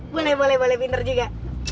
boleh boleh pinter juga